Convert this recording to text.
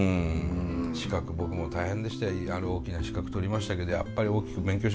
資格僕も大変でしたよある大きな資格取りましたけどやっぱり大きく勉強しますからね。